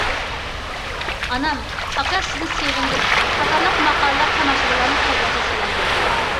« ئانام»،« ئاكا، سىزنى سېغىندىم» قاتارلىق ماقالىلەر تاماشىبىنلارنىڭ قەلبىنى تەسىرلەندۈردى.